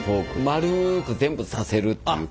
丸く全部刺せるっていう。